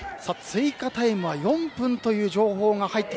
追加タイムは４分という情報。